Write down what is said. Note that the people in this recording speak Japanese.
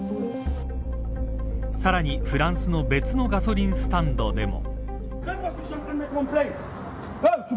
さらにフランスの別のガソリンスタンドでも。